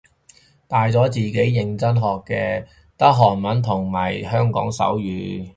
大咗自己認真學嘅得韓文同香港手語